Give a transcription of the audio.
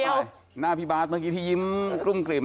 ดูหน้าพี่บ๊าสเมื่อกี๊ยิ้มกรุ้งเกรียม